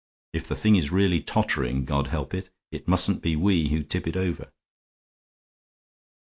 If the thing is really tottering, God help it, it mustn't be we who tip it over."